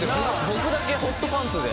僕だけホットパンツで。